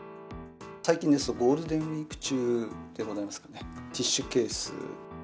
最近ですと、ゴールデンウィーク中でございますかね、ティッシュケース。